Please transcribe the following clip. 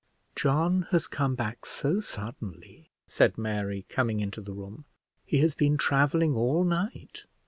"John has come back so suddenly," said Mary, coming into the room; "he has been travelling all night."